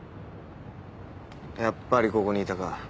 やっぱりここにいたか。